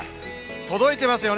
届いていますよね？